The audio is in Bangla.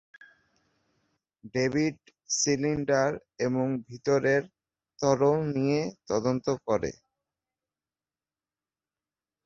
ডেভিড সিলিন্ডার এবং ভিতরের তরল নিয়ে তদন্ত করে।